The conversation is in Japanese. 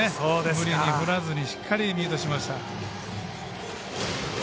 無理に振らずにしっかりミートしました。